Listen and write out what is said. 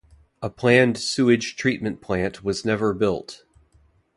A planned sewage treatment plant was never built.